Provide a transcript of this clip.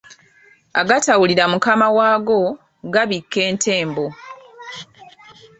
Agatawulira mukama waago gabikka entembo